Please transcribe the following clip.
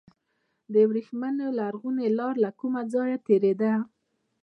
د وریښمو لرغونې لاره له کوم ځای تیریده؟